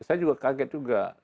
saya juga kaget juga